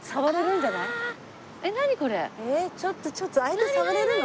ちょっとちょっとあれも触れるの？